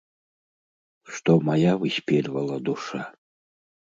Што мая выспельвала душа.